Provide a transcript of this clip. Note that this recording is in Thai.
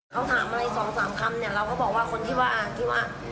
เขามันถามอะไร๒๓คำเราก็บอกว่าคนที่ว่าเหตุแก่เขานี่ไม่อยู่